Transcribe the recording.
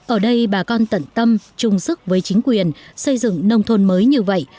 ở đây bà con tận tâm chung sức với chính quyền xây dựng nông thôn mới như vậy